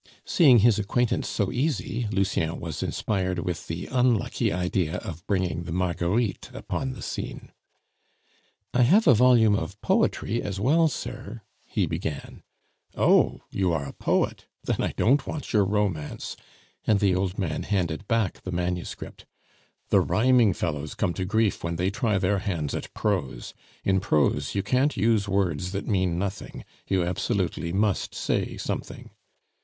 Seeing his acquaintance so easy, Lucien was inspired with the unlucky idea of bringing the Marguerites upon the scene. "I have a volume of poetry as well, sir " he began. "Oh! you are a poet! Then I don't want your romance," and the old man handed back the manuscript. "The rhyming fellows come to grief when they try their hands at prose. In prose you can't use words that mean nothing; you absolutely must say something."